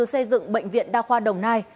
xây dựng bệnh viện đa khoa đồng nai